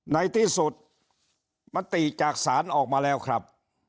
ในที่สุดมติจากศาลออกมาแล้วครับ